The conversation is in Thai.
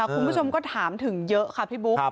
คุณผู้ชมก็ถามถึงเยอะค่ะพี่บุ๊ค